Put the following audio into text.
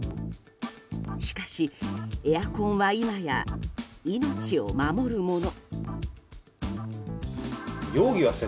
しかし、エアコンは今や命を守るもの。